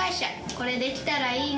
これできたらいいな。